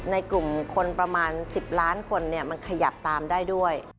ในกลุ่มคนประมาณ๑๐ล้านคนมันขยับตามได้ด้วย